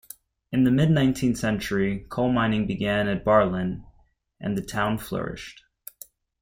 In the mid-nineteenth century, coalmining began at Barlin and the town flourished.